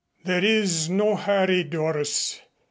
"There is no hurry, Doris.